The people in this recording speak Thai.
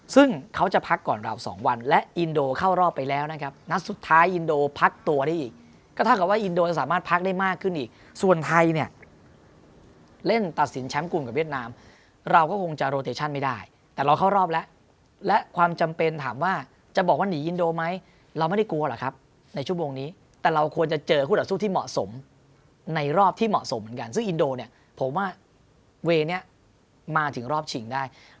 ซึ่งเขาจะพักก่อนเราสองวันและอินโดเข้ารอบไปแล้วนะครับนักสุดท้ายอินโดพักตัวได้อีกก็ถ้าเกิดว่าอินโดจะสามารถพักได้มากขึ้นอีกส่วนไทยเนี้ยเล่นตัดสินแชมป์กลุ่มกับเวียดนามเราก็คงจะโรเทชั่นไม่ได้แต่เราเข้ารอบแล้วและความจำเป็นถามว่าจะบอกว่าหนีอินโดไหมเราไม่ได้กลัวหรอกครับในชุด